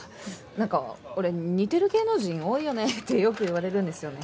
何か俺似てる芸能人多いよねってよく言われるんですよね。